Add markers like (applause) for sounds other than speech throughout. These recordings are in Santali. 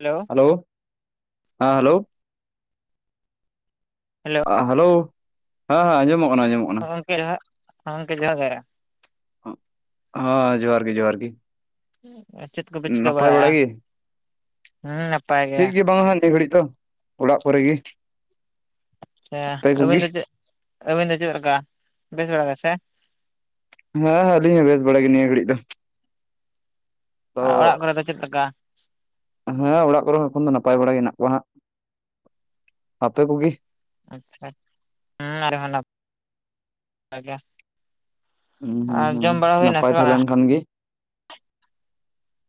ᱦᱮᱞᱳ ᱦᱮᱞᱳᱣ ᱦᱟᱸ ᱦᱮᱞᱳᱣ ᱦᱮᱞᱳ ᱟᱸ ᱦᱟᱞᱳ ᱦᱮᱸ ᱦᱮᱸ ᱟᱡᱚᱢᱚᱜ ᱠᱟᱱᱟ ᱟᱸᱡᱚᱢᱚᱜ ᱠᱟᱱᱟ᱾ ᱜᱚᱢᱠᱮ ᱡᱚᱦᱟ ᱜᱚᱢᱠᱮ ᱡᱚᱦᱟᱨ ᱜᱮ᱾ ᱦᱮᱸᱜ ᱡᱚᱦᱟᱨ ᱜᱮ ᱡᱚᱦᱟᱨ ᱜᱤ᱾ ᱪᱮᱫ ᱠᱚᱯᱮ ᱪᱤᱠᱟᱹ ᱵᱟᱲᱟᱭᱮᱜ-ᱟ? ᱜᱮ ᱦᱮᱸ ᱱᱟᱯᱟᱭᱼᱼ ᱪᱮᱫ ᱜᱮ ᱵᱟᱝ ᱱᱤᱭᱟᱹ ᱜᱷᱟᱹᱲᱤᱡ ᱫᱚ, ᱚᱲᱟᱜ ᱠᱚᱨᱮ ᱜᱮᱼᱼ ᱦᱮ ᱟᱹᱵᱤᱱ ᱫᱚ ᱪᱮᱫ ᱟᱹᱵᱤᱱ ᱫᱚ ᱪᱮᱫ ᱞᱮᱠᱟ? ᱵᱮᱥ ᱵᱟᱲᱟ ᱜᱮ ᱥᱮ᱾ ᱦᱮᱸ ᱦᱮᱸ ᱟᱹᱞᱤᱧ ᱦᱚᱸ ᱵᱮᱥ ᱵᱟᱲᱟᱭ ᱜᱮ ᱱᱤᱭᱟᱹ ᱜᱷᱟᱹᱲᱤᱡ ᱫᱚ᱾ ᱛᱚ ᱟᱨ ᱟᱲᱟᱜ ᱠᱚᱨᱮ ᱫᱚ ᱪᱮᱫ ᱞᱮᱠᱟ? ᱦᱮᱸ ᱚᱲᱟᱜ ᱠᱚᱨᱮ ᱦᱚᱸ ᱮᱠᱷᱚᱱ ᱫᱚ ᱱᱟᱯᱟᱭ ᱵᱟᱲᱟ ᱜᱮ ᱦᱮᱱᱟᱜ ᱠᱚᱣᱟ ᱦᱟᱸᱜ᱾ ᱟᱯᱮ ᱠᱚᱜᱤ? ᱟᱪᱪᱷᱟ ᱦᱮᱸ ᱟᱞᱮ ᱦᱚᱸ ᱱᱟᱯ-ᱟᱭ ᱜᱮ᱾ ᱦᱩᱸ ᱦᱩᱸ ᱟᱨ ᱦᱩᱸ ᱡᱚᱢ ᱵᱟᱲᱟ ᱦᱩᱭᱱᱟ ᱱᱟᱯᱟᱭ ᱥᱮ ᱛᱟᱦᱮᱸ ᱵᱟᱝ-ᱟ? ᱞᱮᱱ ᱠᱷᱟᱱ ᱜᱮ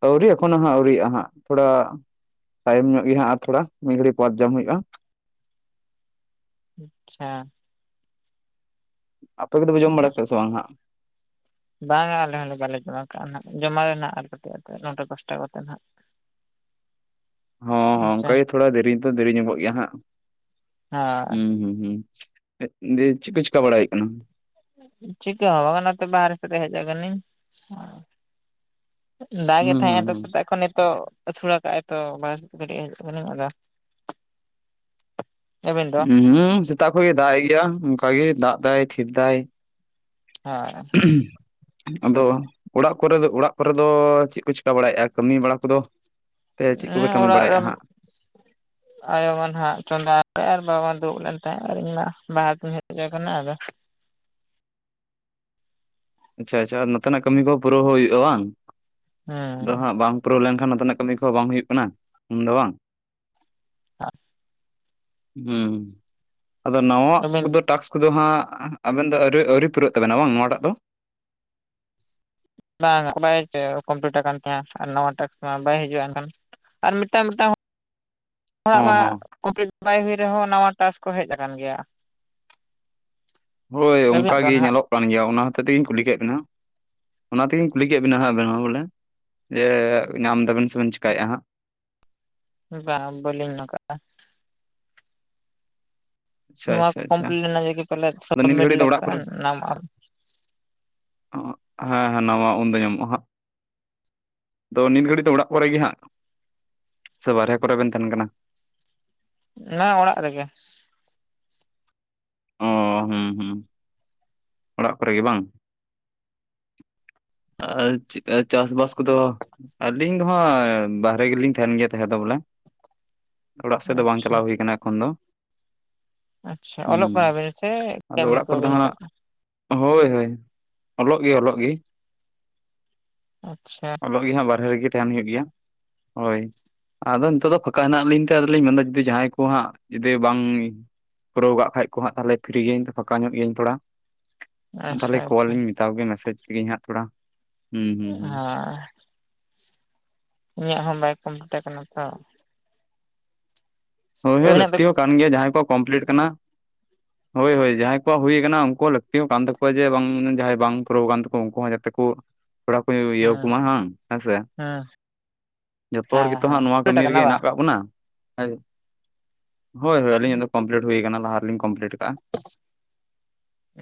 ᱟᱹᱣᱨᱤ ᱮᱠᱷᱚᱱᱳ ᱦᱟᱸᱜ ᱟᱹᱣᱨᱤᱜ-ᱟ ᱦᱟᱸᱜ ᱛᱷᱳᱲᱟᱼᱼ ᱛᱟᱭᱚᱢ ᱧᱚᱜ ᱜᱮ ᱦᱟᱸᱜ ᱛᱷᱚᱲᱟ ᱢᱤᱫ ᱜᱷᱟᱹᱲᱤ ᱯᱟᱸᱪ ᱡᱟᱢ ᱦᱩᱭᱩᱜ-ᱟ᱾ ᱟᱪᱪᱷᱟ᱾ ᱟᱯᱮ ᱠᱚᱫᱚ ᱯᱮ ᱡᱚᱢ ᱵᱟᱲᱟ ᱠᱮᱜᱟ ᱥᱮ ᱵᱟᱝ ᱦᱟᱸᱜ? ᱵᱟᱝᱟ ᱟᱞᱮ ᱦᱚᱸᱞᱮ ᱵᱟᱞᱮ ᱡᱚᱢᱟ ᱠᱟᱜ-ᱟ ᱱᱷᱟᱜ ᱡᱚᱢᱟᱞᱮ ᱱᱷᱟᱜ ᱟᱨ ᱠᱟᱹᱴᱤᱡ ᱨᱮ ᱱᱚᱴᱟ ᱫᱚᱥᱴᱟ ᱠᱚᱛᱮ ᱱᱦᱟᱜ᱾ ᱦᱚᱸ ᱦᱚᱸ ᱟᱪᱪᱷᱟ ᱚᱱᱠᱟᱜᱮ ᱛᱷᱚᱲᱟ ᱫᱮᱨᱤ ᱫᱚ ᱫᱮᱨᱤ ᱧᱚᱜᱚᱜ ᱜᱮᱭᱟ ᱦᱟᱜ ᱦᱳᱭ ᱦᱩᱸ ᱦᱩᱸ ᱦᱩᱸ᱾ ᱫᱤᱭᱮ ᱪᱮᱫ ᱠᱚ ᱪᱮᱠᱟ ᱵᱟᱲᱟ ᱭᱳᱭᱳᱜ ᱠᱟᱱᱟ? ᱪᱤᱠᱟᱹ ᱦᱚᱸ ᱵᱟᱝ ᱱᱚᱛᱮ ᱵᱟᱦᱨᱮ ᱥᱮᱫ ᱨᱮ ᱦᱮᱡ ᱠᱟᱱᱟᱧ᱾ ᱫᱟᱜᱮᱜ ᱦᱩᱸ ᱦᱩᱸ ᱛᱟᱦᱮᱸᱜᱟᱭ ᱛᱚ ᱦᱩᱸ ᱥᱮᱛᱟᱜ ᱠᱷᱚᱱ ᱱᱤᱛᱚᱜ᱾ ᱟᱹᱥᱩᱲ ᱟᱠᱟᱜᱼᱟᱭ ᱛᱚ᱾ ᱵᱟᱥ ᱠᱟᱹᱴᱤᱡ ᱟᱫᱚ ᱟᱹᱵᱤᱱ ᱫᱚ ᱩᱸ ᱦᱩᱸ ᱥᱮᱛᱟᱜ ᱠᱷᱚᱜ ᱮ ᱫᱟᱜᱮᱜ ᱜᱮᱭᱟ ᱚᱱᱠᱟᱜᱮ ᱫᱟᱜ ᱮᱫᱟᱭ ᱛᱷᱤᱨ ᱮᱫᱟᱭ᱾ ᱦᱳᱭ ᱦ (unintelligible) ᱟᱫᱚ ᱚᱲᱟᱜ ᱠᱚᱨᱮ ᱫᱚ ᱚᱲᱟᱜ ᱠᱚᱨᱮ ᱫᱚ ᱪᱮᱫ ᱠᱚ ᱪᱤᱠᱟ ᱵᱟᱲᱟᱭᱮᱜᱟ? ᱠᱟᱹᱢᱤ ᱵᱟᱲᱟ ᱠᱚᱫᱚᱼᱼ ᱟᱯᱮ ᱪᱮᱫ ᱠᱚᱯᱮ ᱦᱮᱸ ᱠᱟᱹᱢᱤ ᱚᱲᱟᱜ ᱵᱟᱲᱟᱭᱮᱜ-ᱟ ᱦᱟᱸᱜ? (inaudible) ᱟᱭᱳ ᱢᱟ ᱱᱷᱟᱸᱜ ᱪᱚᱸᱫᱟ ᱠᱟᱜ-ᱟᱭ ᱟᱨ ᱵᱟᱵᱟ ᱫᱚ ᱫᱩᱲᱩᱵ ᱞᱮᱱ ᱛᱟᱦᱮᱸᱜ ᱟᱨ ᱤᱧ ᱢᱟ ᱵᱟᱦᱨᱮ ᱛᱮᱧ ᱦᱮᱡ ᱟᱠᱟᱱᱟ ᱟᱫᱚᱼᱼ ᱟᱪᱪᱷᱟ ᱟᱪᱪᱷᱟ ᱱᱚᱛᱮᱱᱟᱜ ᱠᱟᱹᱢᱤ ᱠᱚᱦᱚᱸ ᱯᱩᱨᱟᱹᱣ ᱦᱩᱭᱩᱜ-ᱟ ᱵᱟᱝ ᱦᱮᱸ ᱟᱫᱚ ᱦᱟᱸᱜ ᱵᱟᱝᱼᱼ ᱯᱩᱨᱟᱹᱣ ᱞᱮᱱᱠᱷᱟᱱ ᱟᱵᱤᱱᱟᱜ ᱠᱟᱹᱢᱤ ᱠᱚᱦᱚᱸ ᱵᱟᱝ ᱦᱩᱭᱩᱜ ᱠᱟᱱᱟ ᱩᱱ ᱫᱚ ᱵᱟᱝ? (inaudible) ᱦᱩᱸ ᱟᱫᱚ ᱱᱟᱣᱟᱜ ᱟᱹᱵᱤᱱ ᱠᱚᱫᱚ ᱴᱟᱠᱥᱼᱼ ᱠᱚᱫᱚ ᱦᱟᱸᱜ ᱟᱹᱵᱤᱱ ᱫᱚ ᱟᱹᱣᱨᱤ ᱟᱹᱣᱨᱤ ᱯᱩᱨᱟᱹᱜ ᱛᱟᱹᱵᱤᱱᱟ ᱵᱟᱝ ᱱᱚᱣᱟ ᱴᱟᱜ ᱫᱚ? ᱵᱟᱝ ᱚᱱᱟ ᱜᱮ ᱪᱚᱝ ᱠᱚᱢᱯᱤᱞᱤᱴ ᱟᱠᱟᱱ ᱛᱟᱭᱟ ᱟᱨ ᱱᱟᱣᱟ ᱴᱟᱥᱠ ᱢᱟ ᱵᱟᱭ ᱦᱤᱡᱩᱜ-ᱟ, ᱮᱱᱠᱷᱟᱱᱼᱼ ᱟᱨ ᱢᱤᱫᱴᱟᱝ ᱢᱤᱫᱴᱟᱝ ᱦᱚᱲᱟᱜ ᱦᱚᱸ ᱢᱟᱼᱼ ᱦᱚᱸ ᱠᱚᱯᱤᱴ ᱵᱟᱭ ᱦᱩᱭ ᱨᱮᱦᱚᱸ ᱱᱟᱣᱟ ᱴᱟᱥᱠ ᱠᱚ ᱦᱮᱡ ᱟᱠᱟᱱ ᱜᱮᱭᱟ᱾ ᱦᱳᱭ ᱟᱹᱵᱤᱱᱟᱜ ᱚᱱᱠᱟ ᱫᱚ ᱜᱮ ᱱᱟᱦᱟᱜ ᱧᱮᱞᱚᱜ ᱠᱟᱱ ᱜᱮᱭᱟ ᱚᱱᱟ ᱦᱚᱛᱮ ᱤᱧ ᱠᱩᱞᱤ ᱠᱮᱫ ᱵᱤᱱᱟᱼᱼ ᱚᱱᱟ ᱛᱤᱜᱤᱧ ᱠᱩᱞᱤ ᱠᱮᱫ ᱵᱤᱱᱟ ᱦᱟᱸᱜ ᱟᱵᱤᱱ ᱦᱚᱸ ᱵᱚᱞᱮ ᱡᱮ ᱧᱟᱢ ᱮᱫᱟᱵᱤᱱ ᱥᱮ ᱵᱤᱱ ᱪᱮᱠᱟᱭᱮᱜ-ᱟ ᱦᱟᱸᱜ? ᱵᱟᱝ ᱵᱟᱹᱞᱤᱧ ᱱᱚᱠᱟᱜ-ᱟ᱾ ᱟᱪᱪᱷᱟ ᱱᱚᱣᱟ ᱟᱪᱪᱷᱟ ᱠᱚ ᱟᱪᱪᱷᱟ ᱠᱚᱢᱯᱞᱤᱴ ᱮᱱᱟᱝ ᱜᱮ ᱯᱟᱞᱮᱫ ᱟᱫᱚ ᱱᱤᱛ ᱥᱟᱵᱢᱤᱴ ᱜᱷᱟᱹᱲᱤᱡ ᱫᱚ ᱚᱲᱟᱜ ᱠᱚᱨᱮ ᱞᱮᱠᱷᱟᱱ ᱧᱟᱢᱚᱜ-ᱟ᱾ (unintelligible) ᱦᱮᱸ ᱱᱟᱣᱟ ᱩᱱᱫᱚ ᱧᱟᱢᱚᱜ-ᱟ ᱦᱟᱸᱜ᱾ ᱟᱫᱚ ᱱᱤᱛ ᱜᱷᱟᱹᱲᱤᱡ ᱫᱚ ᱦᱟᱸᱜ ᱚᱲᱟᱜ ᱠᱚᱨᱮ ᱜᱮ ᱦᱟᱸᱜ ᱥᱮ ᱵᱟᱨᱦᱮ ᱠᱚᱨᱮ ᱵᱤᱱ ᱛᱟᱦᱮᱸᱱ ᱠᱟᱱᱟ? ᱱᱟ ᱚᱲᱟᱜ ᱨᱮᱜᱮ᱾ ᱚ ᱦᱩᱸ ᱦᱩᱸ ᱚᱲᱟᱜ ᱠᱚᱨᱮ ᱜᱮ ᱵᱟᱝ? (unintelligible) ᱟᱨ ᱪᱤᱫ ᱠᱟ ᱪᱟᱥ ᱵᱟᱥ ᱠᱚᱫᱚᱼᱼ ᱟᱹᱞᱤᱧ ᱫᱚ ᱦᱟᱸᱜ ᱵᱟᱦᱨᱮ ᱜᱮᱞᱤᱧ ᱛᱟᱦᱮᱱ ᱜᱮᱭᱟ ᱛᱟᱦᱮᱸ ᱫᱚ ᱵᱚᱞᱮ᱾ ᱚᱲᱟᱜ ᱥᱮᱫ ᱫᱚ ᱵᱟᱝ ᱟᱪᱪᱷᱟ ᱪᱟᱞᱟᱣ ᱦᱩᱭ ᱟᱠᱟᱱᱟ ᱮᱠᱷᱚᱱ ᱫᱚ᱾ ᱟᱪᱷᱟ ᱦᱩᱸ ᱚᱞᱚᱜ (unintelligible) ᱵᱤᱱ ᱥᱮ ᱟᱫᱚ ᱠᱟᱹᱢᱤ ᱚᱲᱟᱜ ᱠᱚᱨᱮ ᱫᱚ ᱠᱚᱵᱤᱱ ᱦᱟᱸᱜ ᱪᱟᱞᱟᱜ-ᱟ? ᱦᱳᱭ ᱦᱳᱭ ᱚᱞᱚᱜ ᱜᱮ ᱚᱞᱚᱜ ᱜᱤ᱾ ᱟᱪᱪᱷᱟ ᱚᱞᱚᱜ ᱜᱮ ᱦᱟᱸᱜ ᱵᱟᱨᱦᱮ ᱨᱮᱜᱮ ᱛᱟᱦᱮᱸᱱ ᱦᱩᱭᱩᱜ ᱜᱮᱭᱟ, ᱦᱚᱭ᱾ ᱟᱫᱚ ᱱᱤᱛᱚᱜ ᱫᱚ ᱯᱷᱟᱸᱠᱟ ᱦᱮᱱᱟᱜ ᱞᱤᱧ ᱛᱮ ᱟᱫᱚᱞᱤᱧ ᱢᱮᱱᱫᱟ ᱡᱩᱫᱤ ᱡᱟᱦᱟᱸᱭ ᱠᱚ ᱦᱟᱸᱜ ᱡᱩᱫᱤ ᱵᱟᱝ ᱯᱩᱨᱟᱹᱣ ᱠᱟᱜᱼᱼ ᱠᱷᱟᱡ ᱠᱚ ᱦᱟᱸᱜ ᱛᱟᱦᱞᱮ ᱯᱷᱤᱨᱤ ᱜᱤᱭᱟᱹᱧ ᱯᱷᱟᱸᱠᱟ ᱧᱚᱜ ᱜᱮᱭᱟᱹᱧ ᱛᱷᱚᱲᱟ᱾ ᱟᱪᱪᱷᱟ ᱛᱟᱦᱞᱮ ᱟᱪᱪᱷᱟ ᱠᱚᱞᱟᱹᱧ ᱢᱮ᱾ ᱦᱟᱛᱟᱣ ᱜᱮ ᱢᱮᱥᱮᱡᱽ ᱞᱮᱜᱤᱧ ᱦᱟᱸᱜ ᱛᱷᱚᱲᱟ᱾ ᱦᱩᱸ ᱦᱩᱸ ᱦᱩᱸ ᱦᱟᱸᱻ ᱤᱧᱟᱹᱜ ᱦᱚᱸ ᱵᱟᱭ ᱠᱚᱢᱯᱞᱤᱴ ᱠᱟᱱᱟ ᱛᱚ᱾ ᱦᱩᱭ ᱦᱚᱸ ᱟᱹᱵᱤᱱᱟᱜ ᱫᱚ ᱞᱟᱹᱠᱛᱤ ᱦᱩᱸ ᱦᱚᱸ ᱠᱟᱱ ᱜᱮᱭᱟ ᱡᱟᱦᱟᱸᱭ ᱠᱚ ᱠᱚᱢᱯᱞᱤᱴ ᱠᱟᱱᱟ᱾ (inaudible) ᱦᱳᱭ ᱦᱳᱭ ᱡᱟᱦᱟᱸᱭ ᱠᱚᱣᱟᱜ ᱦᱩᱭ ᱟᱠᱟᱱᱟ ᱩᱱᱠᱩ ᱦᱚ ᱞᱟᱹᱠᱛᱤ ᱦᱚ ᱠᱟᱱ ᱛᱟᱠᱚᱣᱟ᱾ ᱡᱮ ᱵᱟᱝ ᱢᱟᱱᱮ ᱡᱟᱦᱟᱸᱭ ᱵᱟᱝ ᱯᱩᱨᱟᱹᱣ ᱠᱟᱱ ᱛᱟᱠᱚᱣᱟ ᱩᱱᱠᱩ ᱦᱚᱸ ᱡᱟᱛᱮ ᱠᱚ, ᱯᱮᱲᱟ ᱠᱚᱧ ᱤᱭᱟᱹᱣ ᱠᱚ ᱢᱟ ᱵᱟᱝ ᱦᱮᱸ ᱥᱮ᱾ ᱦᱮᱸᱥ ᱡᱚᱛᱚ ᱦᱚᱲ ᱜᱮᱛᱚ ᱦᱟᱸᱜ ᱱᱚᱣᱟ ᱠᱟᱹᱢᱤ ᱟᱠᱟᱱᱟ ᱨᱮᱜᱮ ᱵᱟᱝ ᱦᱮᱱᱟᱜ ᱠᱟᱜ ᱵᱚᱱᱟ᱾ ᱦᱟᱹᱭ᱾ ᱦᱚᱭ ᱦᱚᱭ ᱟᱹᱞᱤᱧᱟᱜ ᱫᱚ ᱠᱚᱢᱯᱞᱤᱴ ᱦᱩᱭ ᱠᱟᱱᱟ ᱞᱟᱦᱟ ᱨᱮᱞᱤᱧ ᱠᱚᱢᱯᱞᱤᱴ ᱠᱟᱜ-ᱟ᱾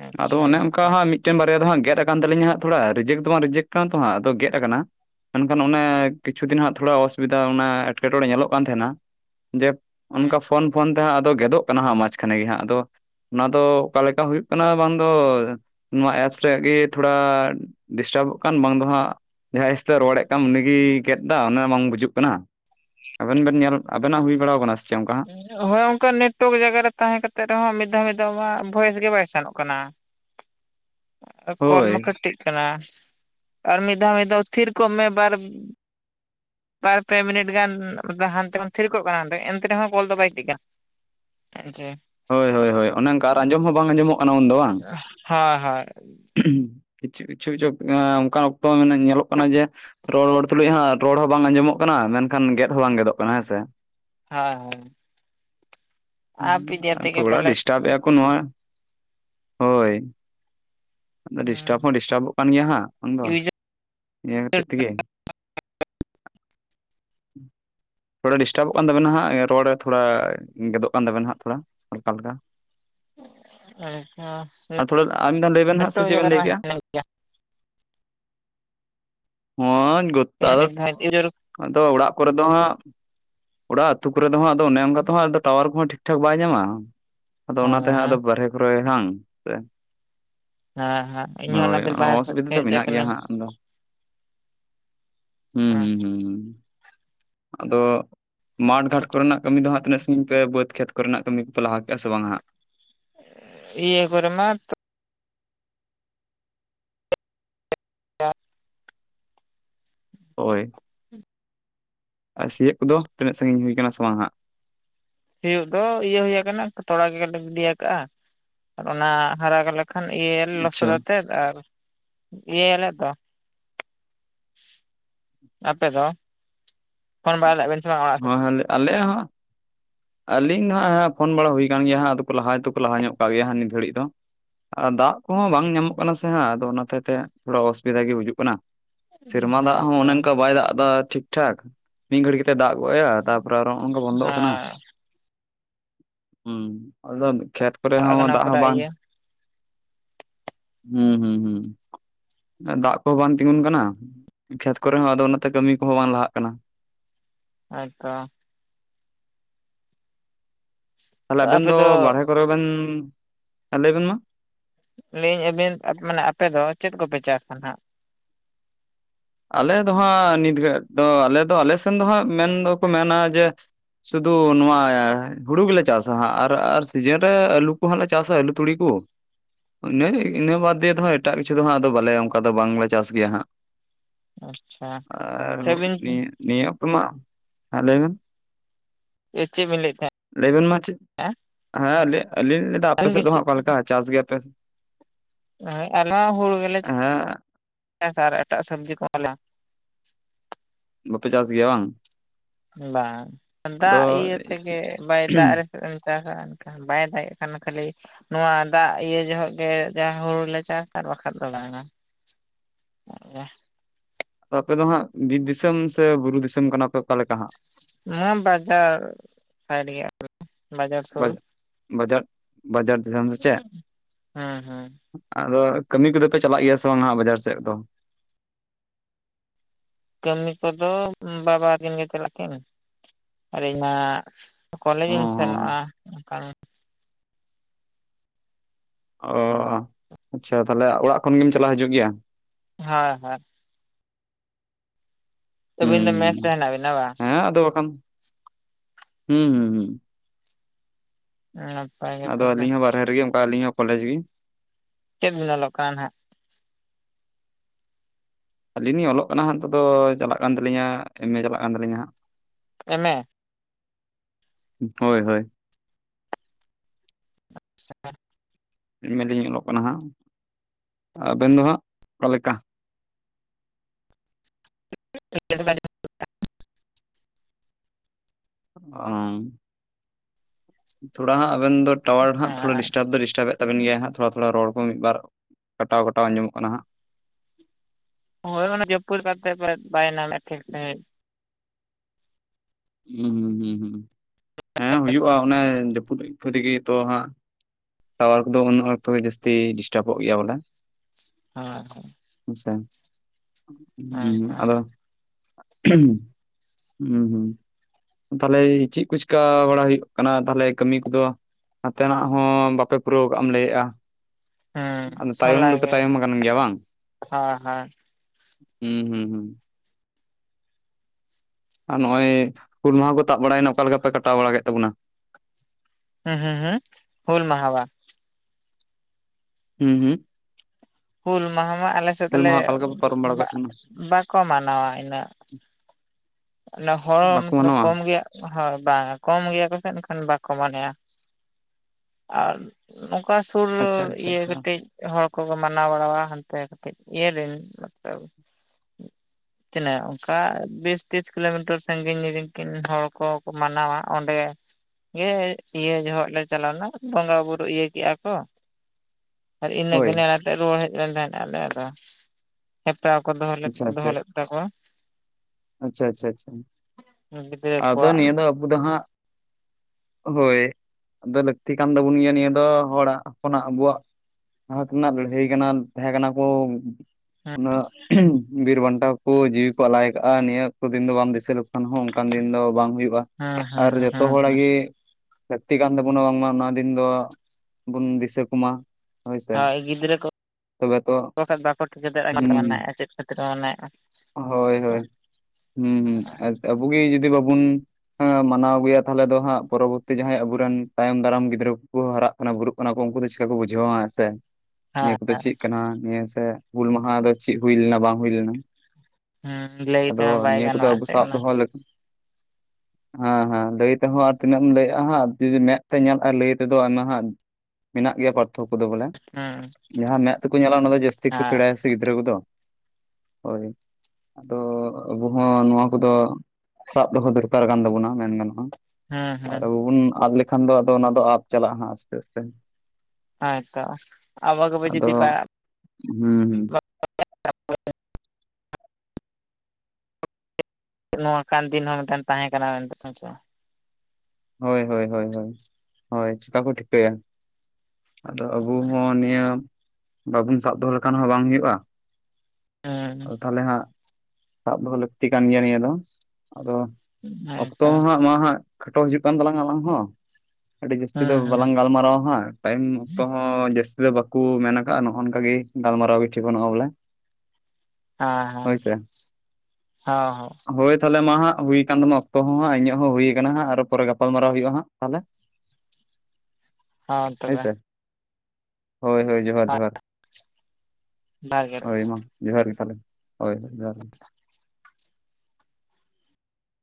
ᱟᱪᱪᱷᱟ ᱱᱟᱯᱟᱭ ᱢᱤᱫᱴᱟᱝ ᱵᱟᱨᱭᱟ ᱫᱚ ᱦᱟᱜ ᱜᱮᱫ ᱟᱠᱟᱱ ᱛᱟᱹᱞᱤᱧ ᱦᱟᱸᱜ ᱛᱷᱚᱲᱟ ᱨᱤᱡᱮᱠᱴ ᱫᱚ ᱵᱟᱝ ᱨᱤᱡᱮᱠᱴ ᱟᱠᱟᱱᱟ ᱛᱚ ᱦᱟᱸᱜ ᱟᱫᱚ ᱜᱮᱫ ᱟᱠᱟᱱᱟ᱾ ᱢᱮᱱᱠᱷᱟᱱ ᱚᱱᱮ ᱠᱤᱪᱷᱩ ᱫᱤᱱ ᱦᱟᱸᱜ ᱛᱷᱚᱲᱟ ᱚᱥᱩᱵᱤᱫᱟ ᱚᱱᱟ ᱮᱴᱠᱮᱴᱚᱬᱮ ᱧᱮᱞᱚᱜ ᱠᱟᱱ ᱛᱟᱸᱦᱮᱱᱟ᱾ ᱡᱮ ᱚᱝᱠᱟ ᱯᱷᱚᱱ ᱯᱷᱚᱱ ᱛᱮᱦᱟᱸᱜ ᱟᱫᱚ ᱜᱮᱫᱚᱜ ᱠᱟᱱᱟ ᱦᱟᱸᱜ ᱢᱟᱡᱽ ᱠᱷᱟᱱᱮ ᱜᱮ ᱦᱟᱸᱜ ᱟᱫᱚ᱾ ᱚᱱᱟ ᱫᱚ ᱚᱠᱟᱞᱮᱠᱟ ᱦᱩᱭᱩᱜ ᱠᱟᱱᱟ ᱵᱟᱝ ᱫᱚ᱾ ᱱᱚᱣᱟ ᱮᱯᱥ ᱨᱮᱭᱟᱜ ᱜᱮ ᱛᱷᱚᱲᱟ ᱰᱤᱥᱴᱟᱵᱚᱜ ᱠᱟᱱ ᱵᱟᱝ ᱫᱚ ᱦᱟᱸᱜ᱾ ᱡᱟᱦᱟᱸᱭ ᱥᱟᱛᱮ ᱨᱚᱲᱮᱜ ᱠᱟᱱ ᱩᱱᱤᱜᱮᱭ ᱜᱮᱫ ᱫᱟ ᱚᱱᱟ ᱵᱟᱝ ᱵᱩᱡᱩᱜ ᱠᱟᱱᱟ᱾ ᱟᱵᱮᱱ ᱵᱮᱱ ᱧᱮᱞ, ᱟᱵᱮᱱᱟᱜ ᱦᱩᱭ ᱵᱟᱲᱟᱣ ᱠᱟᱱᱟ ᱥᱮ ᱪᱮᱫ ᱚᱝᱠᱟ ᱦᱟᱸᱜ? ᱦᱚᱭ ᱚᱝᱠᱟ ᱱᱮᱴᱣᱟᱨᱠ ᱡᱟᱭᱜᱟ ᱨᱮ ᱛᱟᱦᱮᱸ ᱠᱟᱛᱮ ᱨᱮᱦᱚᱸ ᱢᱤᱫ ᱫᱷᱟᱣ ᱢᱤᱫ ᱫᱷᱟᱣ ᱢᱟ ᱵᱷᱚᱭᱮᱥ ᱜᱮ ᱵᱟᱭ ᱥᱮᱱᱚᱜ ᱠᱟᱱᱟ᱾ ᱟᱨ ᱠᱚᱞ ᱦᱳᱭ ᱢᱟ ᱠᱷᱟᱹᱴᱤᱜ ᱠᱟᱱᱟ ᱟᱨ ᱢᱤᱫ ᱫᱷᱟᱣ ᱢᱤᱫ ᱫᱷᱟᱣ ᱛᱷᱤᱨ ᱠᱚᱜ ᱢᱮ ᱵᱟᱨ (inaudible) ᱵᱟᱨ ᱯᱮ ᱢᱤᱱᱤᱴ ᱜᱟᱱ ᱦᱟᱱᱛᱮ ᱠᱷᱚᱱ ᱛᱷᱤᱨ ᱠᱚᱜ ᱠᱟᱱᱟ ᱞᱤᱧ ᱮᱱᱛᱮ ᱨᱮᱦᱚᱸ ᱠᱚᱞ ᱫᱚ ᱵᱟᱭ ᱴᱤᱠ ᱟ᱾ ᱟᱪᱪᱷᱟ᱾ ᱦᱳᱭ ᱦᱳᱭ ᱦᱳᱭ ᱚᱱᱮ ᱚᱝᱠᱟ ᱟᱨ ᱟᱸᱡᱚᱢ ᱦᱚᱸ ᱵᱟᱝ ᱟᱸᱡᱚᱢᱚᱜ ᱠᱟᱱᱟ ᱩᱱᱫᱚ ᱵᱟᱝ? ᱦᱮᱸ ᱦᱮᱸ᱾ ᱠᱤᱪᱷᱩ ᱠᱤᱪᱷᱩ ᱡᱚᱜ ᱚᱝᱠᱟᱱ ᱚᱠᱛᱚ ᱢᱟᱱᱮ ᱧᱮᱞᱚᱜ ᱠᱟᱱᱟ ᱡᱮ ᱨᱚᱲ ᱨᱚᱲ ᱛᱩᱞᱩᱡ ᱦᱟᱸ ᱨᱚᱲ ᱦᱚᱸ ᱵᱟᱝ ᱟᱸᱡᱚᱢᱚᱜ ᱠᱟᱱᱟ ᱢᱮᱱᱠᱷᱟᱱ ᱜᱮᱫ ᱦᱚᱸ ᱵᱟᱝ ᱜᱮᱫᱚᱜ ᱠᱟᱱᱟ ᱦᱮᱸ ᱥᱮ᱾ ᱦᱮᱸ ᱦᱮᱸ᱾ ᱦᱩᱸ, ᱟᱛᱮ ᱜᱮ ᱛᱷᱚᱲᱟ ᱯᱟᱞᱮᱫ ᱰᱤᱥᱴᱟᱵᱮᱜ-ᱟ ᱠᱚ ᱱᱚᱣᱟ ᱦᱳᱭ ᱟᱫᱚ ᱰᱤᱥᱴᱟᱵᱽ ᱦᱚᱸ ᱰᱤᱥᱴᱟᱵᱚᱜ ᱠᱟᱱ ᱜᱮᱭᱟ ᱦᱟᱸᱜ ᱩᱱ ᱫᱚ᱾ ᱤᱭᱩᱡᱟᱨ ᱱᱤᱭᱟᱹ ᱦᱚᱛᱮᱫ ᱛᱮᱜᱮ᱾ ᱯᱳᱭᱞᱳ ᱰᱤᱥᱴᱟᱵᱚᱜ ᱠᱟᱱ ᱛᱟᱵᱮᱱᱟ ᱦᱟᱸᱜ ᱨᱚᱲ ᱨᱮ ᱛᱷᱚᱲᱟ ᱜᱮᱫᱚᱜ ᱠᱟᱱ ᱛᱟᱵᱮᱱᱟ ᱦᱟᱸᱜ ᱛᱷᱚᱲᱟ ᱦᱟᱞᱠᱟ ᱦᱟᱞᱠᱟ᱾ ᱟᱨ ᱛᱷᱚᱲᱟ ᱟᱨ ᱢᱤᱫ ᱫᱷᱟᱣ ᱞᱟᱹᱭ ᱵᱮᱱ ᱦᱟᱸᱜ ᱥᱮ ᱱᱮᱴᱣᱟᱨᱠ ᱪᱮᱫ ᱡᱟᱭᱜᱟ ᱵᱮᱱ ᱞᱟᱹᱭ ᱨᱮᱢᱟ ᱠᱮᱜ-ᱟ? ᱦᱮᱱᱟᱜ ᱦᱚᱧ ᱜᱚᱛ (unintelligible) ᱟᱫᱚ ᱚᱲᱟᱜ ᱠᱚᱨᱮ ᱫᱚ ᱦᱟᱸᱜ ᱚᱲᱟᱜ ᱟᱹᱛᱩ ᱠᱚᱨᱮ ᱫᱚ ᱦᱟᱸᱜ ᱟᱫᱚ ᱚᱱᱮ ᱚᱝᱠᱟ ᱛᱚ ᱦᱟᱸᱜ ᱟᱫᱚ ᱴᱟᱣᱟᱨ ᱦᱚᱸ ᱴᱷᱤᱠ ᱴᱷᱟᱠ ᱵᱟᱭ ᱧᱟᱢᱟ ᱟᱫᱚ ᱦᱮᱸ ᱚᱱᱟᱛᱮᱦᱟᱸᱜ ᱟᱫᱚ ᱦᱮᱸ ᱵᱟᱨᱦᱮ ᱠᱚᱨᱮ ᱵᱟᱝ ᱥᱮ ᱦᱮᱸ ᱦᱮᱸ ᱤᱧ ᱦᱚᱸ ᱦᱳᱭ ᱚᱱᱟᱛᱮ ᱵᱟᱦᱨᱮ ᱥᱮᱫ ᱚᱥᱩᱵᱤᱫᱟ ᱫᱚ ᱦᱮᱡ ᱢᱮᱱᱟᱜ ᱜᱮᱭᱟ ᱟᱠᱟᱱᱟᱹᱧ ᱦᱟᱸᱜ ᱟᱫᱚ᱾ ᱦᱩᱸ ᱦᱩᱸ ᱦᱩᱸ᱾ ᱟᱫᱚ ᱢᱟᱴᱷ ᱜᱷᱟᱴ ᱠᱚᱨᱮᱱᱟᱜ ᱠᱟᱹᱢᱤ ᱫᱚ ᱦᱟᱸᱜ ᱛᱤᱱᱟᱹᱜ ᱥᱟᱺᱜᱤᱧ ᱯᱮ ᱵᱟᱹᱫᱽ ᱠᱷᱮᱛ ᱠᱚᱨᱮᱱᱟᱜ ᱠᱟᱹᱢᱤ ᱠᱚᱯᱮ ᱞᱟᱦᱟ ᱠᱮᱜ-ᱟ ᱥᱮ ᱵᱟᱝ ᱦᱟᱸᱜ᱾ ᱤᱭᱟᱹ ᱠᱚᱨᱮ ᱢᱟᱛ (unintelligible) ᱦᱳᱭ᱾ ᱟᱨ ᱥᱤᱭᱳᱜ ᱠᱚᱫᱚ ᱛᱤᱱᱟᱹᱜ ᱥᱟᱺᱜᱤᱧ ᱦᱩᱭ ᱠᱟᱱᱟ ᱥᱮ ᱵᱟᱝ ᱦᱟᱸᱜ? ᱥᱤᱭᱳᱜ ᱫᱚ ᱤᱭᱟᱹ ᱦᱩᱭ ᱠᱟᱱᱟ ᱛᱚᱲᱟ ᱜᱮᱞᱮ ᱜᱤᱰᱤᱭᱟ ᱠᱟᱜ-ᱟ ᱟᱨ ᱚᱱᱟ ᱦᱟᱨᱟ ᱜᱮᱞᱮ᱾ ᱠᱷᱟᱱ ᱮᱨ ᱞᱚᱥᱚᱫ ᱟᱪᱪᱷᱟ ᱟᱛᱮᱫ ᱟᱨ ᱤᱭᱟᱹᱭᱟᱞᱮ ᱫᱚ᱾ ᱟᱯᱮ ᱫᱚ? ᱯᱷᱚᱱ ᱵᱟᱲᱟ ᱞᱮᱜ-ᱟᱵᱤᱱ ᱥᱮ ᱵᱟᱝ ᱚᱲᱟᱜ ᱥᱮᱫ? ᱦᱚᱸ ᱟᱞᱮ ᱟᱞᱮ ᱦᱚᱸ ᱟᱹᱞᱤᱧ ᱱᱟᱼᱦᱟᱸᱜ ᱯᱷᱳᱱ ᱵᱟᱲᱟ ᱦᱩᱭ ᱠᱟᱱ ᱜᱮᱭᱟ ᱦᱟᱸᱜ ᱟᱫᱚ ᱞᱟᱦᱟ ᱛᱮᱠᱚ ᱞᱟᱦᱟ ᱧᱚᱜ ᱠᱟᱜ ᱜᱮᱭᱟ ᱦᱟᱸᱜ ᱱᱤᱛ ᱫᱷᱟᱹᱲᱤᱡ ᱫᱚ ᱫᱟᱜ ᱠᱚᱦᱚᱸ ᱵᱟᱝ ᱧᱟᱢᱚᱜ ᱠᱟᱱᱟ ᱥᱮ ᱦᱟᱸᱜ ᱟᱫᱚ ᱚᱱᱟ ᱦᱚᱛᱮᱡ ᱛᱮ ᱛᱷᱚᱲᱟ ᱚᱥᱩᱵᱤᱫᱷᱟ ᱜᱮ ᱦᱩᱡᱩᱜ ᱠᱟᱱᱟ। ᱥᱮᱨᱢᱟ ᱦᱮᱸᱛᱚ ᱫᱟᱜ ᱦᱚᱸ ᱚᱱᱮ ᱚᱱᱠᱟ ᱵᱟᱭ ᱫᱟᱜ ᱮᱫᱟ ᱴᱷᱤᱠ ᱴᱷᱟᱠ ᱢᱤᱫ ᱜᱷᱟᱹᱲᱤ ᱠᱟᱛᱮ ᱫᱟᱜ ᱜᱚᱫ ᱮᱭᱟ ᱛᱟᱯᱚᱨᱮ ᱟᱨ ᱱᱚᱜ ᱱᱚᱝᱠᱟ ᱵᱚᱱᱫᱚᱜ ᱠᱟᱱᱟ। ᱦᱮᱸ ᱦᱩᱸ ᱟᱫᱚ ᱠᱷᱮᱛ ᱠᱚᱨᱮ ᱪᱟᱞᱟᱜ ᱦᱚᱸ ᱠᱟᱱᱟ ᱫᱟᱜ ᱦᱚᱸ ᱯᱨᱟᱭ ᱵᱟᱝ (inaudible) ᱦᱩᱸ ᱦᱩᱸ ᱦᱩᱸ ᱫᱟᱜ ᱠᱚᱦᱚᱸ ᱵᱟᱝ ᱛᱤᱜᱩᱱ ᱠᱟᱱᱟ ᱠᱷᱮᱛ ᱠᱚᱨᱮ ᱦᱚᱸ ᱟᱫᱚ ᱚᱱᱟᱛᱮ ᱠᱟᱹᱢᱤ ᱠᱚᱦᱚᱸ ᱵᱟᱝ ᱞᱟᱦᱟᱜ ᱠᱟᱱᱟ। ᱦᱳᱭ ᱛᱚ ᱛᱟᱞᱦᱮ ᱟᱵᱮᱱ ᱫᱚ ᱵᱟᱨᱦᱮ ᱠᱚᱨᱮ ᱵᱮᱱ ᱞᱟᱹᱭ ᱵᱮᱱ ᱢᱟ ᱞᱟᱹᱭᱟᱹᱧ ᱟᱹᱵᱤᱱ ᱢᱟᱱᱮ ᱟᱯᱮ ᱫᱚ ᱪᱮᱫ ᱠᱚᱯᱮ ᱪᱟᱥᱟ ᱱᱟᱦᱱᱟᱜ ᱟᱞᱮ ᱫᱚ ᱦᱟᱸᱜ ᱱᱤᱛ ᱫᱚ ᱟᱞᱮ ᱫᱚ ᱟᱞᱮ ᱥᱮᱱ ᱫᱚ ᱦᱟᱸᱜ ᱢᱮᱱ ᱫᱚᱠᱚ ᱢᱮᱱᱟ ᱡᱮ ᱥᱩᱫᱷᱩ ᱱᱚᱣᱟ ᱦᱩᱲᱩ ᱜᱮᱞᱮ ᱪᱟᱥᱟ ᱦᱟᱸᱜ ᱟᱨ ᱥᱤᱡᱤᱱ ᱨᱮ ᱟᱞᱩ ᱠᱚ ᱦᱟᱸᱜ ᱞᱮ ᱪᱟᱥᱟ ᱟᱞᱩ ᱛᱩᱲᱤ ᱠᱚ ᱤᱱᱟᱹ ᱤᱱᱟᱹ ᱵᱟᱫᱽ ᱫᱤᱭᱮ ᱫᱚ ᱦᱟᱸᱜ ᱮᱴᱟᱜ ᱠᱤᱪᱷᱩ ᱫᱚ ᱦᱟᱸᱜ ᱟᱫᱚ ᱵᱟᱞᱮ ᱚᱱᱠᱟ ᱫᱚ ᱵᱟᱝᱞᱮ ᱪᱟᱥ ᱜᱮᱭᱟ ᱦᱟᱸᱜ ᱟᱪᱪᱷᱟ ᱟᱨ ᱥᱮᱵᱤᱱ ᱱᱤᱭᱟᱹ ᱱᱤᱭᱟᱹ ᱚᱠᱛᱚ ᱢᱟ ᱦᱮᱸ ᱞᱟᱹᱭ ᱵᱮᱱ ᱮ ᱪᱮᱫ ᱵᱤᱱ ᱞᱟᱹᱭᱮᱛ ᱛᱟᱦᱮ ᱞᱟᱹᱭ ᱵᱮᱱ ᱢᱟ ᱪᱮᱫ ᱦᱮ ᱦᱮᱸ ᱟᱹᱞᱤᱧ ᱞᱟᱹᱭ ᱮᱫᱟ ᱟᱯᱮ ᱥᱮᱫ ᱫᱚ ᱜᱮ ᱦᱟᱸᱜ ᱚᱠᱟ ᱞᱮᱠᱟ ᱪᱟᱥ ᱜᱮᱭᱟᱯᱮ ᱦᱚᱭ ᱟᱞᱮ ᱦᱚᱸ ᱦᱩᱲᱩ ᱜᱮᱞᱮ ᱦᱮᱸ ᱪᱟᱥᱟ ᱟᱨ ᱮᱴᱟᱜ ᱥᱚᱵᱽᱡᱤ ᱠᱚᱢᱟ ᱟᱞᱮ ᱵᱟᱯᱮ ᱪᱟᱥ ᱜᱮᱭᱟ ᱵᱟᱝ? ᱵᱟᱝ ᱟᱫᱚ ᱫᱟᱜ ᱤᱭᱟᱹ ᱛᱮᱜᱮ ᱪᱮᱫ ᱵᱟᱭ ᱫᱟᱜ ᱨᱮ ᱥᱮᱫ ᱮᱢ ᱪᱟᱥᱟ ᱮᱱᱠᱷᱟᱱ ᱵᱟᱭ ᱫᱟᱜᱮᱜ ᱠᱟᱱᱟ ᱠᱷᱟᱹᱞᱤ ᱱᱚᱣᱟ ᱫᱟᱜ ᱤᱭᱟᱹ ᱡᱚᱠᱷᱚᱜ ᱜᱮ ᱡᱟ ᱦᱩᱲᱩ ᱞᱮ ᱪᱟᱥᱟ ᱵᱟᱠᱷᱟᱱ ᱫᱚ ᱵᱟᱝᱟ ᱚ ᱟᱯᱮ ᱫᱚ ᱦᱟᱸᱜ ᱵᱤᱨ ᱫᱤᱥᱚᱢ ᱥᱮ ᱵᱩᱨᱩ ᱫᱤᱥᱚᱢ ᱠᱟᱱᱟᱯᱮ ᱚᱠᱟ ᱞᱮᱠᱟ? ᱦᱟᱸᱜ ᱱᱚᱣᱟ ᱵᱟᱡᱟᱨ ᱥᱟᱭᱤᱰ ᱜᱮ ᱵᱟᱡᱟᱨ ᱥᱩᱨ ᱵᱟᱡᱟᱨ ᱵᱟᱡᱟᱨ ᱫᱤᱥᱚᱢ ᱫᱚ ᱪᱮᱫ ᱦᱮᱸ ᱦᱮᱸ ᱟᱫᱚ ᱠᱟᱹᱢᱤ ᱠᱚᱫᱚ ᱯᱮ ᱪᱟᱞᱟᱜ ᱜᱮᱭᱟ ᱥᱮ ᱵᱟᱝ ᱱᱟᱦᱟᱜ ᱵᱟᱡᱟᱨ ᱥᱮᱫ ᱫᱚ? ᱠᱟᱹᱢᱤ ᱠᱚᱫᱚ ᱵᱟᱵᱟ ᱟᱹᱠᱤᱱ ᱜᱮ ᱪᱟᱞᱟᱜ ᱠᱤᱱ ᱟᱨ ᱤᱧᱢᱟ ᱠᱚᱞᱮᱡ ᱤᱧ ᱦᱩᱸ ᱦᱩᱸ ᱥᱮᱱᱚᱜᱼᱟ ᱚᱱᱠᱟ ᱚ ᱟᱪᱪᱷᱟ ᱛᱟᱞᱦᱮ ᱚᱲᱟᱜ ᱠᱷᱚᱱ ᱜᱮᱢ ᱪᱟᱞᱟᱣ ᱦᱤᱡᱩᱜ ᱜᱮᱭᱟ? ᱦᱳᱭ ᱦᱳᱭ ᱟᱹᱵᱤᱱ ᱫᱚ ᱢᱮᱥ ᱦᱩᱸ ᱨᱮ ᱦᱮᱱᱟᱜ ᱵᱤᱱᱟ ᱵᱟᱝ ᱦᱮᱸ ᱟᱫᱚ ᱵᱟᱠᱷᱟᱱ ᱦᱩᱸ ᱦᱩᱸ ᱦᱩᱸ ᱱᱟᱯᱟᱭ ᱜᱮ ᱟᱫᱚ ᱛᱚᱵᱮ ᱟᱹᱞᱤᱧ ᱦᱚᱸ ᱵᱟᱨᱦᱮ ᱨᱮᱜᱮ ᱚᱱᱠᱟ ᱟᱹᱞᱤᱧ ᱦᱚᱸ ᱠᱚᱞᱮᱡᱽ ᱜᱮ ᱪᱮᱫ ᱵᱤᱱ ᱚᱞᱚᱜ ᱠᱟᱱᱟ ᱱᱟᱦᱟᱜ ᱟᱹᱞᱤᱧ ᱞᱤᱧ ᱚᱞᱚᱜ ᱠᱟᱱᱟ ᱦᱟᱸᱜ ᱱᱤᱛᱚᱜ ᱫᱚ ᱪᱟᱞᱟᱜ ᱠᱟᱱ ᱛᱟᱹᱞᱤᱧᱟ ᱮᱢ ᱮ ᱪᱟᱞᱟᱜ ᱠᱟᱱ ᱛᱟᱹᱞᱤᱧᱟ ᱦᱟᱸᱜ ᱮᱢᱮ ᱦᱳᱭ ᱦᱳᱭ ᱮᱢᱮ ᱞᱤᱧ ᱚᱞᱚᱜ ᱠᱟᱱᱟ ᱦᱟᱸᱜ ᱟᱵᱮᱱ ᱫᱚ ᱦᱟᱸᱜ ᱚᱠᱟᱞᱮᱠᱟ? (inaudible) ᱚᱦᱚᱝ ᱛᱷᱚᱲᱟ ᱦᱟᱸᱜ ᱟᱵᱮᱱ ᱫᱚ ᱴᱟᱣᱟᱨ ᱦᱟᱸᱜ ᱛᱷᱚᱲᱟ ᱰᱤᱥᱴᱟᱵ ᱫᱚ ᱰᱤᱥᱴᱟᱵ ᱮᱫ ᱛᱟᱵᱤᱱ ᱜᱮᱭᱟ ᱦᱟᱸᱜ ᱛᱷᱚᱲᱟ ᱛᱷᱚᱲᱟ ᱨᱚᱲ ᱠᱚ ᱢᱤᱫ ᱵᱟᱨ ᱠᱟᱴᱟᱣ ᱠᱟᱴᱟᱣ ᱟᱸᱡᱚᱢᱚᱜ ᱠᱟᱱᱟ ᱦᱟᱸᱜ ᱦᱳᱭ ᱚᱱᱟ ᱡᱟᱹᱯᱩᱫ ᱠᱟᱛᱮᱫ ᱵᱟᱭ ᱵᱟᱭ ᱧᱟᱢᱮᱫ ᱴᱷᱤᱠ ᱥᱟᱺᱦᱤᱡ ᱦᱩᱸ ᱦᱩᱸ ᱦᱩᱸ ᱦᱩᱸ ᱦᱮᱸ ᱦᱩᱭᱩᱜᱼᱟ ᱚᱱᱮ ᱡᱟᱹᱯᱩᱫ ᱟᱹᱧ ᱛᱮᱜᱮ ᱛᱚ ᱦᱟᱸᱜ ᱴᱟᱣᱟᱨ ᱠᱚᱫᱚ ᱩᱱᱟᱹᱜ ᱚᱠᱛᱚ ᱜᱮ ᱡᱟᱹᱥᱛᱤ ᱰᱤᱥᱴᱟᱵᱚᱜ ᱜᱮᱭᱟ ᱵᱚᱞᱮ ᱟᱪᱪᱷᱟ ᱟᱪᱪᱷᱟ ᱩᱸ ᱟᱫᱚ (unintelligible) ᱛᱟᱦᱚᱞᱮ ᱪᱮᱫ ᱠᱚ ᱪᱤᱠᱟᱹ ᱵᱟᱲᱟ ᱦᱩᱭᱩᱜ ᱠᱟᱱᱟ ᱛᱟᱦᱚᱞᱮ ᱠᱟᱹᱢᱤ ᱠᱚ᱾ ᱱᱟᱱᱛᱮᱱᱟᱜ ᱦᱚᱸ ᱵᱟᱯᱮ ᱯᱩᱨᱟᱹᱣ ᱠᱟᱜ ᱮᱢ ᱞᱟᱹᱭᱮᱜᱼᱟ᱾ ᱛᱟᱭᱚᱢ ᱫᱚᱯᱮ ᱛᱟᱭᱚᱢ ᱟᱠᱟᱱ ᱜᱮᱭᱟ ᱵᱟᱝ᱾ ᱩᱸ ᱦᱩᱸ ᱟᱨ ᱱᱚᱜ ᱚᱚᱭ ᱦᱩᱞ ᱢᱟᱦᱟ ᱠᱚ ᱛᱟᱵ ᱵᱟᱲᱟᱭᱱᱟ ᱚᱠᱟ ᱞᱮᱠᱟ ᱯᱮ ᱠᱟᱴᱟᱣ ᱵᱟᱲᱟ ᱠᱮᱫ ᱛᱟᱵᱚᱱᱟ᱾ ᱦᱮᱸ ᱦᱮᱸ ᱦᱩᱞ ᱢᱟᱦᱟ ᱵᱟ ᱩᱸ ᱦᱩᱸ ᱦᱩᱞ ᱢᱟᱦᱟ ᱢᱟ ᱟᱞᱮᱮᱥᱮᱫ ᱦᱩᱞ ᱞᱮ ᱢᱟᱦᱟ ᱚᱠᱟ ᱞᱮᱠᱟ ᱯᱮ ᱯᱟᱨᱚᱢ ᱵᱟᱲᱟ ᱵᱟ ᱠᱮᱫ ᱛᱟᱵᱚᱱᱟ ᱵᱟᱠᱚ ᱢᱟᱱᱟᱣᱟ ᱤᱱᱟᱹᱜ᱾ ᱦᱚᱲ ᱵᱟᱠᱚ ᱢᱚᱛᱞᱚᱵ ᱢᱟᱱᱟᱣᱟ ᱠᱚᱢ ᱜᱮᱭᱟ ᱦᱳᱭ ᱵᱟᱝᱟ ᱠᱚᱢ ᱜᱮᱭᱟ ᱠᱚ ᱥᱮ ᱮᱱᱠᱷᱟᱱ ᱵᱟᱠᱚ ᱢᱚᱱᱮᱭᱟ ᱟᱨ᱾ ᱱᱚᱝᱠᱟ ᱥᱩᱨ ᱟᱪᱪᱷᱟ ᱟᱪᱪᱷᱟ ᱤᱭᱟᱹ ᱟᱪᱪᱷᱟ ᱠᱟᱹᱴᱤᱡ᱾ ᱦᱚᱲᱲ ᱠᱚᱠᱚ ᱢᱟᱱᱟᱣ ᱵᱟᱲᱣᱟᱹᱼᱟ ᱦᱟᱱᱛᱮ ᱤᱭᱟ ᱨᱮᱱ ᱾ ᱛᱤᱱᱟᱹᱜ ᱚᱱᱠᱟ ᱵᱮᱥ᱾ ᱛᱤᱨᱤᱥ ᱠᱤᱞᱳᱢᱤᱴᱟᱨ ᱥᱟᱺᱜᱤᱧ ᱨᱮ ᱠᱤᱱ ᱦᱚᱲ ᱠᱚᱠᱚ ᱢᱟᱱᱟᱣᱟ ᱚᱸᱰᱮ᱾ ᱤᱭᱟᱹ ᱤᱭᱟᱹ ᱡᱚᱦᱚᱜ ᱞᱮ ᱪᱟᱞᱟᱣᱱᱟ ᱵᱚᱸᱜᱟ ᱵᱩᱨᱩ ᱤᱭᱟᱹ ᱠᱮᱜᱼᱟ ᱠᱚ᱾ ᱟᱨ ᱤᱱᱟᱹ ᱦᱳᱭ (inaudible) ᱱᱮᱦᱟᱛᱮ ᱨᱩᱣᱟᱹᱲ ᱦᱮᱡ ᱞᱮᱱ ᱛᱟᱦᱮᱱᱟᱞᱮ ᱟᱫᱚ ᱦᱮᱯᱨᱟᱣ ᱠᱚ ᱫᱚᱦᱚ ᱞᱮᱫ ᱟᱪᱪᱷᱟ ᱫᱚᱦᱚ ᱟᱪᱪᱷᱟ ᱞᱮᱫ ᱛᱟᱠᱚᱣᱟ᱾ ᱟᱪᱪᱷᱟ ᱟᱪᱪᱷᱟ ᱪᱪᱷᱟ ᱜᱤᱫᱽᱨᱟᱹ ᱟᱫᱚ ᱠᱚᱣᱟᱜ ᱱᱤᱭᱟᱹ ᱫᱚ ᱟᱵᱚ ᱫᱚ ᱦᱟᱸᱜ᱾ ᱦᱳᱭ ᱟᱫᱚ ᱞᱟᱹᱠᱛᱤ ᱠᱟᱱ ᱛᱟᱵᱚᱱ ᱜᱮᱭᱟ ᱱᱤᱭᱟᱹ ᱫᱚ ᱦᱚᱲᱟᱜ ᱠᱷᱚᱱᱟᱜ ᱟᱵᱚᱣᱟᱜ᱾ ᱞᱟᱦᱟ ᱛᱤᱱᱟᱜ ᱞᱟᱹᱲᱦᱟᱹᱭ ᱠᱟᱱᱟ ᱛᱟᱸᱦᱮ ᱠᱟᱱᱟ ᱠᱚ ᱩᱱᱟᱹᱜ᱾ ᱵᱤᱨ ᱵᱟᱱᱴᱟ ᱠᱚ ᱡᱤᱣᱤ ᱠᱚ ᱟᱞᱟᱭ ᱟᱠᱟᱟᱜᱼᱟ ᱱᱤᱭᱟᱹ ᱠᱚ ᱫᱤᱱ ᱫᱚ ᱵᱟᱢ ᱫᱤᱥᱟᱹ ᱞᱮᱠᱷᱟᱱ ᱦᱚᱸ ᱚᱱᱠᱟᱱ ᱫᱤᱱ ᱫᱚ᱾ ᱵᱟᱝ ᱦᱩᱭᱩᱜᱼᱟ ᱦᱮᱸ ᱟᱨ ᱦᱮᱸ ᱡᱚᱛᱚ ᱦᱮᱸ ᱦᱚᱲᱟᱜ ᱜᱮ᱾ ᱞᱟᱹᱠᱛᱤ ᱠᱟᱱ ᱛᱟᱵᱚᱱᱟ ᱵᱟᱝᱢᱟ ᱱᱚᱣᱟ ᱫᱤᱱ ᱫᱚ ᱵᱚᱱ ᱫᱤᱥᱟᱹ ᱠᱚᱢᱟ᱾ ᱦᱳᱭ ᱜᱤᱫᱽᱨᱟᱹ ᱠᱚ ᱛᱚᱵᱮ ᱛᱚ ᱵᱟᱠᱚ ᱴᱷᱤᱠᱟᱹ ᱦᱩᱸ ᱫᱟᱲᱮᱭᱟ ᱪᱮᱫ ᱠᱷᱟᱹᱛᱤᱨ (inaudible) ᱦᱳᱭ ᱦᱳᱭ ᱦᱩᱸ ᱦᱩᱸ ᱟᱵᱚᱜ ᱜᱮ ᱡᱩᱫᱤ ᱵᱟᱵᱚᱱ᱾ ᱦᱮᱸ ᱢᱟᱱᱟᱣ ᱟᱜᱩᱭᱟ ᱛᱟᱦᱚᱞᱮ ᱫᱚ ᱦᱟᱸᱜ ᱯᱚᱨᱚᱵᱚᱨᱛᱤ ᱡᱟᱦᱟᱸᱭ ᱟᱵᱩᱨᱮᱱ ᱛᱟᱭᱚᱢ ᱫᱟᱨᱟᱢ ᱜᱤᱫᱽᱨᱟᱹ ᱠᱚ ᱦᱟᱨᱟᱜ᱾ ᱚᱱᱟ ᱵᱩᱨᱩᱜ ᱠᱟᱱᱟ ᱠᱚ ᱩᱱᱠᱩ ᱫᱚ ᱪᱤᱠᱟ ᱠᱚ ᱵᱩᱡᱷᱟᱹᱣᱟ ᱦᱮᱸᱥᱮ᱾ ᱱᱤᱭᱟᱹ ᱦᱮᱸ ᱠᱚ ᱫᱚ ᱪᱮᱫ ᱠᱟᱱᱟ ᱱᱤᱭᱟᱹ ᱥᱮ ᱦᱩᱞ ᱢᱟᱦᱟ ᱫᱚ ᱪᱮᱫ ᱦᱩᱭ ᱞᱮᱱᱟ ᱵᱟᱝ ᱦᱩᱭ ᱞᱮᱱᱟ ᱦᱮᱸ ᱞᱟᱹᱭ ᱟᱫᱚ ᱛᱮᱢᱟ ᱵᱟᱭ ᱱᱤᱭᱟᱹ ᱠᱚᱫᱚ ᱜᱟᱱᱚᱜ ᱟ ᱟᱵᱚ ᱪᱮᱫ ᱥᱟᱵ ᱠᱚᱱᱟ ᱫᱚᱦᱚ ᱞᱟᱹᱠ ᱦᱮᱸ ᱦᱮᱸ ᱞᱟᱹᱭ ᱛᱮᱦᱚᱸ ᱟᱨ ᱛᱤᱱᱟᱹᱜ ᱮᱢ ᱞᱟᱹᱭᱭᱟᱜᱼᱟ ᱦᱟᱜ ᱡᱩᱫᱤ ᱢᱮᱫ ᱛᱮ ᱧᱮᱞ ᱞᱟᱹᱭ ᱛᱮᱫᱚ ᱟᱭᱢᱟ ᱦᱟᱸᱜ, ᱢᱮᱱᱟᱜ ᱜᱮᱭᱟ ᱯᱟᱨᱛᱷᱚᱠ ᱠᱚ ᱫᱚ ᱵᱚᱞᱮ ᱦᱮᱸ ᱡᱟᱦᱟᱸ ᱢᱮᱸᱫ ᱛᱮ ᱠᱚ ᱧᱮᱞᱟ ᱚᱱᱟ ᱫᱚ ᱡᱟᱹᱥᱛᱤ ᱠᱚ ᱦᱮᱸ ᱥᱮᱬᱟᱭᱟ ᱥᱮᱼᱼ ᱴᱤᱠ ᱜᱤᱫᱽᱨᱟᱹ ᱠᱚᱫᱚ ᱦᱳᱭ, ᱟᱫᱚ ᱟᱵᱚ ᱦᱚᱸ ᱱᱚᱣᱟ ᱠᱚ ᱫᱚ ᱥᱟᱵ ᱫᱚ ᱦᱚ ᱫᱚᱨᱠᱟᱨ ᱠᱟᱱ ᱛᱟᱵᱚᱱᱟ ᱢᱮᱱ ᱜᱟᱱᱚᱜᱼᱟ ᱦᱮᱸ ᱟᱨ ᱦᱮᱸ ᱟᱵᱚ ᱵᱚᱱ ᱟᱫ ᱞᱮᱠᱷᱟᱱ ᱫᱚ ᱟᱫᱚ ᱚᱱᱟ ᱫᱚ ᱟᱫ ᱪᱟᱞᱟᱜᱼᱟ ᱦᱟᱜ ᱟᱥᱛᱮ ᱟᱥᱛᱮ᱾ ᱦᱮᱸ ᱛᱚ ᱟᱵᱚ ᱜᱮᱵᱚ ᱟᱫᱚ ᱡᱩᱫᱤ ᱵᱟᱭ (inaudible) ᱦᱩᱸ ᱦᱩᱸ ᱱᱚᱣᱟ ᱠᱟᱱ ᱫᱤᱱ ᱦᱚᱸ ᱢᱤᱫᱴᱟᱝ ᱛᱟᱦᱮᱸ ᱠᱟᱱᱟ ᱢᱮᱱᱛᱮ ᱦᱮᱸ ᱥᱮᱼᱼ ᱦᱳᱭ ᱦᱳᱭ ᱦᱳᱭ ᱦᱳᱭ ᱪᱤᱠᱟᱹ ᱠᱚ ᱴᱷᱤᱠᱟᱹᱭᱟ ᱟᱫᱚ ᱟᱵᱚ ᱦᱚᱸ ᱱᱤᱭᱟᱹ ᱵᱟᱵᱩᱱ ᱥᱟᱵ ᱫᱚ ᱦᱚ ᱞᱮᱠᱷᱟᱱ ᱦᱚᱸ ᱵᱟᱝ ᱦᱩᱭᱩᱜᱼᱟ ᱦᱮᱸ ᱟᱫᱚ ᱛᱟᱦᱚᱞᱮ ᱦᱟᱸᱜ ᱥᱟᱵ ᱫᱚᱦᱚ ᱞᱟᱹᱠᱛᱤ ᱠᱟᱱ ᱜᱮᱭᱟ ᱱᱤᱭᱟᱹ ᱫᱚ ᱟᱫᱚᱼᱼ ᱚᱠᱛᱚ ᱦᱮᱸᱛᱚ ᱦᱟᱸᱜ ᱢᱟ ᱦᱟᱸᱜ ᱠᱷᱟᱴᱚ ᱦᱤᱡᱩᱜ ᱠᱟᱱ ᱛᱟᱞᱟᱝ ᱟᱞᱟᱝ ᱦᱚᱸᱼᱼ ᱟᱹᱰᱤ ᱡᱟᱹᱥᱛᱤ ᱫᱚ ᱦᱮᱸ ᱦᱮᱸ ᱵᱟᱞᱟᱝ ᱜᱟᱞᱢᱟᱨᱟᱣᱟ ᱦᱟᱸᱜᱼᱼ ᱴᱟᱭᱤᱢ ᱚᱠᱛᱚ ᱦᱚᱸ ᱡᱟᱹᱥᱛᱤ ᱫᱚ ᱵᱟᱠᱚ ᱢᱮᱱ ᱟᱠᱟᱜᱼᱟ ᱱᱚᱜ ᱱᱚᱝᱠᱟ ᱜᱮ ᱜᱟᱞᱢᱟᱨᱟᱣ ᱜᱮ ᱴᱷᱤᱠ ᱵᱟᱹᱱᱩᱜᱼᱟ ᱵᱚᱞᱮᱼᱼ (inaudible) ᱦᱮᱸ ᱦᱮᱸ ᱦᱳᱭ ᱥᱮ ᱦᱚᱸ ᱦᱚᱸ ᱦᱳᱭ, ᱛᱟᱦᱚᱞᱮ ᱢᱟ ᱦᱟᱸᱜ ᱦᱩᱭ ᱠᱟᱱᱟᱱ ᱛᱟᱢᱟ ᱚᱠᱛᱚ ᱦᱚᱸ ᱦᱟᱸᱜ ᱤᱧᱟᱹᱜ ᱦᱚᱸ ᱦᱩᱭ ᱠᱟᱱᱟ ᱦᱟᱸᱜ ᱟᱨᱚ ᱯᱚᱨᱮ ᱜᱟᱯᱟᱞᱢᱟᱨᱟᱣ ᱦᱩᱭᱩᱜᱼᱟ ᱦᱟᱸᱜ ᱛᱟᱦᱚᱞᱮ ᱦᱚᱸ ᱦᱳᱭ ᱛᱚᱵᱮ, ᱥᱮ ᱦᱳᱭ ᱦᱳᱭ ᱡᱚᱦᱟᱨ ᱡᱚᱦᱟᱨ ᱵᱷᱟᱜᱮ ᱦᱳᱭ ᱢᱟ ᱡᱚᱦᱟᱨ ᱜᱮ ᱛᱟᱦᱚᱞᱮ ᱦᱳᱭ ᱡᱚᱦᱟᱨ